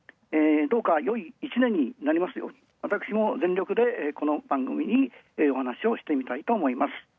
どうかよい１年になりますように私も全力で、この番組にお話をしてみたいと思います。